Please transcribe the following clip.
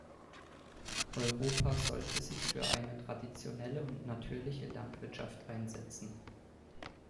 Europa sollte sich für eine traditionelle und natürliche Landwirtschaft einsetzen.